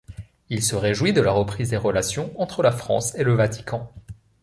Il se réjouit de la reprise des relations entre la France et le Vatican.